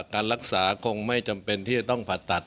การรักษาคงไม่จำเป็นที่จะต้องผ่าตัด